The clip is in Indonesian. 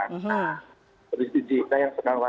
nah jadi cina yang sedang